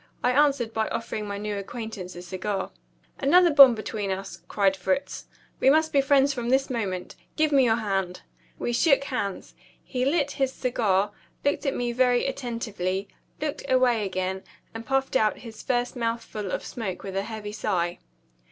I answered by offering my new acquaintance a cigar. "Another bond between us," cried Fritz. "We must be friends from this moment. Give me your hand." We shook hands. He lit his cigar, looked at me very attentively, looked away again, and puffed out his first mouthful of smoke with a heavy sigh.